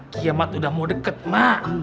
kiamat udah mau deket mak